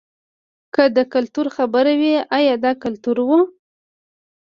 که د کلتور خبره وي ایا دا کلتور و.